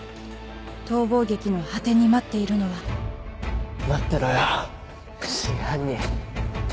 逃亡劇の果てに待っているのは待ってろよ真犯人。